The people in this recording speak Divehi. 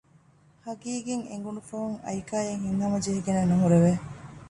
ހަޤީޤަތް އެނގުނު ފަހުން އައިކާއަށް ހިތްހަމަޖެހިގެނެއް ނުހުރެވެ